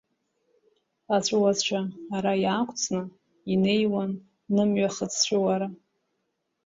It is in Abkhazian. Аҵәыуацәа, ара иаақәҵны, инеиуан нымҩахыҵ ҵәыуара.